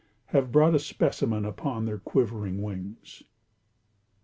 Have brought a specimen Upon their quivering wings.